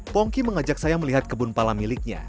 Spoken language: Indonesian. pongki mengajak saya melihat kebun pala miliknya